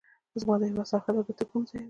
زما د هیواد سرحدات به تر کومه ځایه وي.